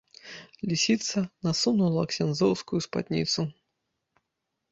Лісіца насунула ксяндзоўскую спадніцу.